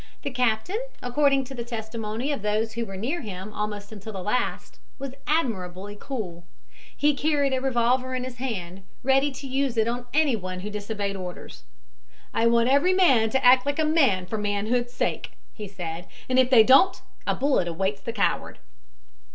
The captain, according to the testimony of those who were near him almost until the last, was admirably cool. He carried a revolver in his hand, ready to use it on anyone who disobeyed orders. "I want every man to act like a man for manhood's sake," he said, "and if they don't, a bullet awaits the coward."